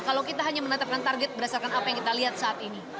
kalau kita hanya menetapkan target berdasarkan apa yang kita lihat saat ini